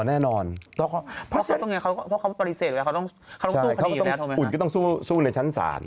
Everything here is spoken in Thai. อ๋อแน่นอนต้องค่อยใช่อุ่นก็ต้องสู้ในชั้นสาร